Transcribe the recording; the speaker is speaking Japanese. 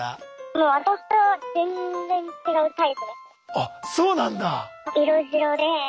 あっそうなんだ。